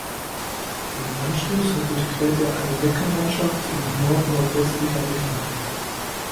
Im Anschluss durchquert er eine Beckenlandschaft in nordnordwestlicher Richtung.